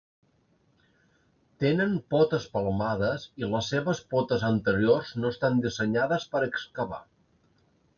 Tenen potes palmades i les seves potes anteriors no estan dissenyades per excavar.